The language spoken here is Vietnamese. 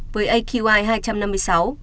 với aqi hai trăm năm mươi sáu